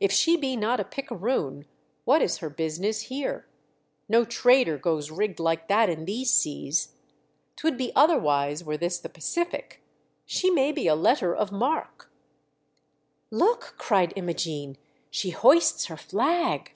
If she be not a picaroon, what is her business here ? No trader goes rigged like that in these seas. 'T would be otherwise were this the Pacific. She may be a Letter of Marque." "Look!" cried Imogene, "she hoists her flag."